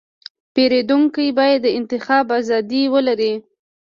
پیرودونکی باید د انتخاب ازادي ولري.